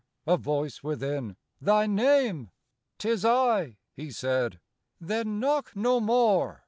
a voice within, "Thy name?" " 'T is I," he said.—"Then knock no more.